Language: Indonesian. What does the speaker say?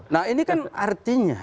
nah ini kan artinya